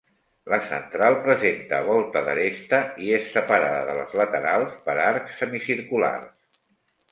La central presenta volta d'aresta i és separada de les laterals per arcs semicirculars.